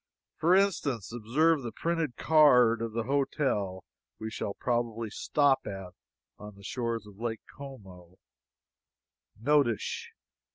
For instance, observe the printed card of the hotel we shall probably stop at on the shores of Lake Como: "NOTISH."